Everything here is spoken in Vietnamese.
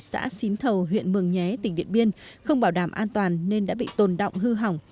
xã xín thầu huyện mường nhé tỉnh điện biên không bảo đảm an toàn nên đã bị tồn động hư hỏng